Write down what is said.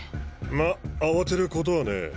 まあ慌てることはねえ。